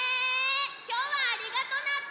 きょうはありがとナッツ！